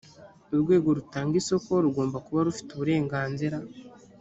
urwego rutanga isoko rugomba kuba rufite uburenganzira